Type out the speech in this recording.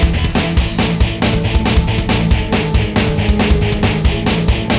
kayaknya kita bisa balap balap sekarang ya